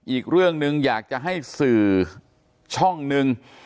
อีกเรื่องหนึ่งอยากจะให้สื่อช่องนึง